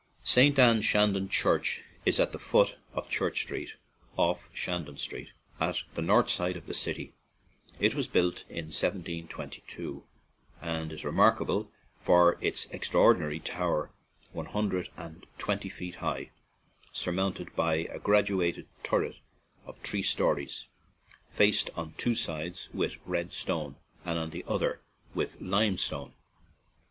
St. Anne Shandon Church is at the foot of Church Street, off Shandon Street, at the north side of the city; it was built in 1722, and is remarkable for its extraordi nary tower, one hundred and twenty feet 133 ON AN IRISH JAUNTING CAR high, surmounted by a graduated turret of three stories, faced on two sides with red stone, and on the others with limestone.